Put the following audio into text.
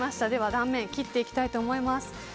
断面切っていきたいと思います。